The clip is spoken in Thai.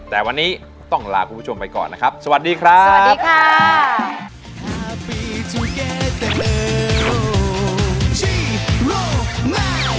แต่วันนี้ต้องลาคุณผู้ชมไปก่อนนะครับ